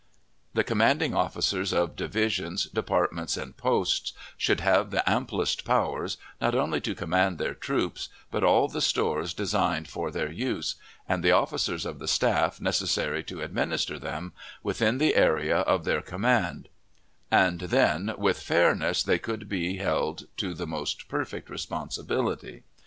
The commanding officers of divisions, departments, and posts, should have the amplest powers, not only to command their troops, but all the stores designed for their use, and the officers of the staff necessary to administer them, within the area of their command; and then with fairness they could be held to the most perfect responsibility.